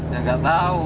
ya nggak tahu